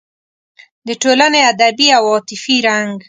د ټولنې ادبي او عاطفي رنګ